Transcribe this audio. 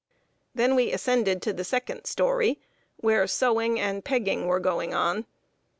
Then we ascended to the second story, where sewing and pegging were going on.